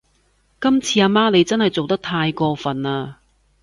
今次阿媽你真係做得太過份喇